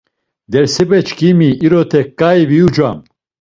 Dersepeçkimi irote ǩai viucam.